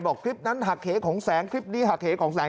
คลิปนั้นหักเหของแสงคลิปนี้หักเหของแสง